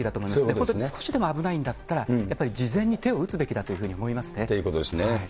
本当に少しでも危ないんだったら、やっぱり事前に手を打つべきだとということですね。